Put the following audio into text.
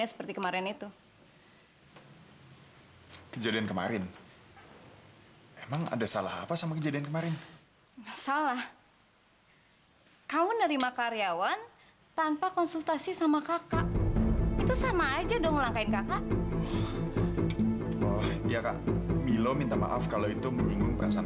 asyik kamu taruhkan